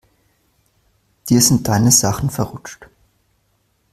Dir sind deine Sachen verrutscht.